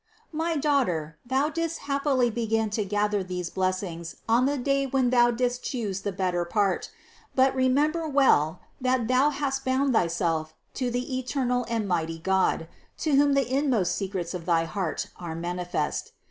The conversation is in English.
446. My daughter, thou didst happily begin to gather these blessings on the day when thou didst choose the bet ter part; but remember well that thou hast bound thy self to the eternal and mighty God, to whom the inmost secrets of thy heart are manifest.